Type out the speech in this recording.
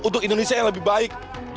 untuk indonesia yang lebih baik